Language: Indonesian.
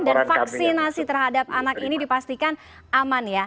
dan vaksinasi terhadap anak ini dipastikan aman